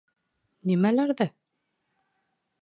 — Нимәләрҙе?